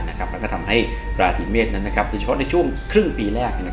แล้วก็ทำให้ราศีเมษนั้นโดยเฉพาะในช่วงครึ่งปีแรก